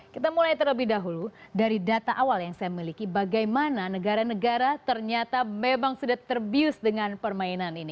kita mulai terlebih dahulu dari data awal yang saya miliki bagaimana negara negara ternyata memang sudah terbius dengan permainan ini